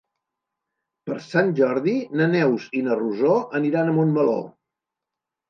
Per Sant Jordi na Neus i na Rosó aniran a Montmeló.